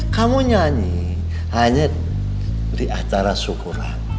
kamu nyanyi hanya di acara syukuran